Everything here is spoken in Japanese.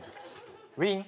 ウィン。